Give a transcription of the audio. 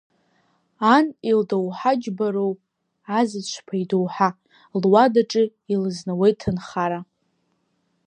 Ан илдоуҳаџьбароу Азаҵә-ԥа идоуҳа, луадаҿы илызнауеит ҭынхара…